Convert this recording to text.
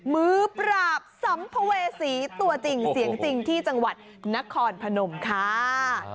มือปราบสัมภเวษีตัวจริงเสียงจริงที่จังหวัดนครพนมค่ะ